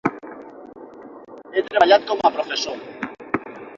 Ha treballat com a professor.